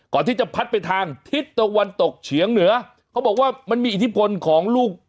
ก่อนที่จะพัดไปทางทิศตะวันตกเฉียงเหนือเขาบอกว่ามันมีอิทธิพลของลูก